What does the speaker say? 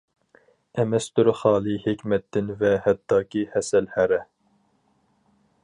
ئەمەستۇر خالى ھېكمەتتىن ۋە ھەتتاكى ھەسەل ھەرە.